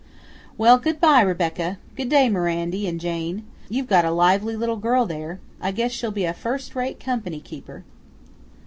"Well, good by, Rebecca; good day, Mirandy 'n' Jane. You've got a lively little girl there. I guess she'll be a first rate company keeper."